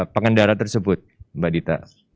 pengendara tersebut mbak dita